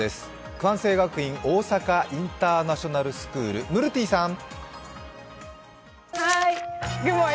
関西学院大阪インターナショナルスクール、ムルティさん！